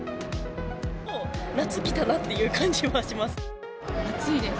夏来たなっていう感じはしま暑いです。